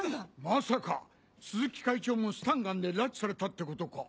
まさか鈴木会長もスタンガンで拉致されたってことか？